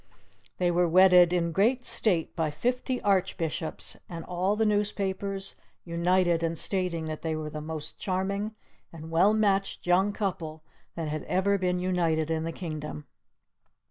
They were wedded in great state by fifty archbishops; and all the newspapers united in stating that they were the most charming and well matched young couple that had ever been united in the kingdom.